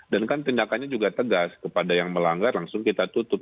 kan tindakannya juga tegas kepada yang melanggar langsung kita tutup